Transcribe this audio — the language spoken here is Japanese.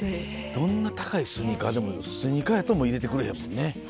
どんな高いスニーカーでもスニーカーやともう入れてくれへんもんね。